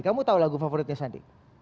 kamu tahu lagu favoritnya sandi